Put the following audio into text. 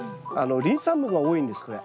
リン酸分が多いんですこれ。